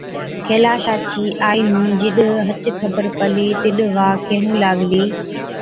ڪيلاشا چِي آئِي نُون جِڏ هچ خبر پلِي، تِڏ وا ڪيهُون لاگلِي،